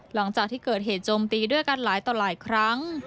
หลังจากที่เกิดเหตุโจมตีด้วยกันหลายต่อหลายครั้ง